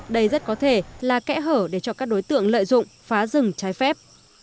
đây rất có thể là kẽ hở để cho các đối tượng lợi dụng phá rừng trái phép